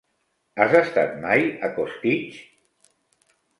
Has estat mai a Costitx?